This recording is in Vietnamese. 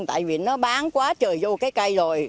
tại vì nó bán quá trời vô cái cây rồi